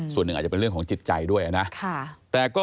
ซึ่งก็